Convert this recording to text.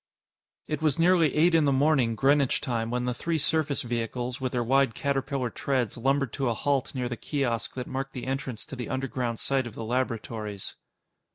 It was nearly eight in the morning, Greenwich time, when the three surface vehicles, with their wide Caterpillar treads lumbered to a halt near the kiosk that marked the entrance to the underground site of the laboratories.